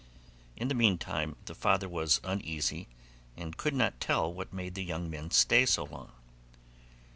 In the meantime the father was uneasy, and could not tell what made the young men stay so long.